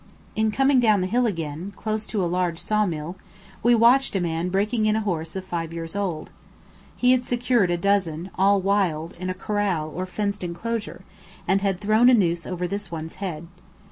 In coming down the hill again, close to a large saw mill, we watched a man breaking in a horse of five years old. He had secured a dozen, all wild, in a corral or fenced enclosure, and had thrown a noose over this one's head.